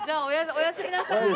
おやすみなさい。